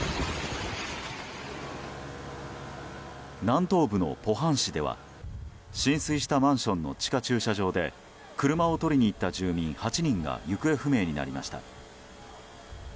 南東部のポハン市では浸水したマンションの地下駐車場で車を取りに行った住民８人が行方不明になりました。